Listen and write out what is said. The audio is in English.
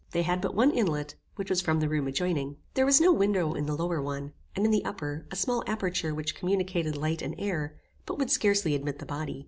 They had but one inlet, which was from the room adjoining. There was no window in the lower one, and in the upper, a small aperture which communicated light and air, but would scarcely admit the body.